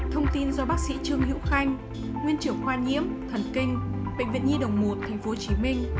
thông tin do bác sĩ trương hữu khanh nguyên trưởng khoa nhiễm thần kinh bệnh viện nhi đồng một tp hcm